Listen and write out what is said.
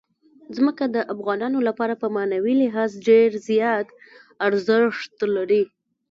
ځمکه د افغانانو لپاره په معنوي لحاظ ډېر زیات ارزښت لري.